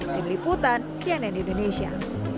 dari liputan cnn indonesia